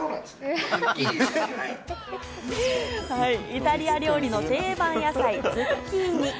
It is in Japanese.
イタリア料理の定番野菜、ズッキーニ。